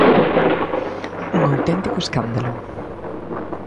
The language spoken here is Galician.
Un auténtico escándalo.